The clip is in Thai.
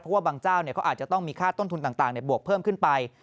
เพราะว่าบางเจ้าเขาอาจจะต้องมีค่าต้นทุนต่างบวกเพิ่มขึ้นไป